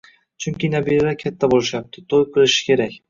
Chunki nabiralar katta bo‘lishyapti, to‘y qilishi kerak.